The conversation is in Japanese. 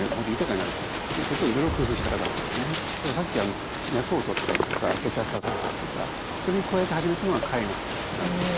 例えばさっき脈をとったりとか血圧を測ったりとかそれに加えて始めたのが絵画なんですよ。